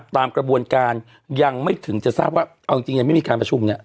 ตามกระบวนการยังไม่ถึงจะทราบว่าเอาจริงยังไม่มีการประชุมเนี่ย